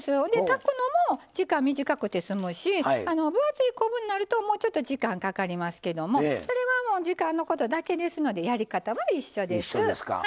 炊くのも時間短くて済むし分厚い昆布になるともうちょっと時間かかりますけどもそれは時間のことだけですのでやり方は一緒です。